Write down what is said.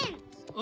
あ！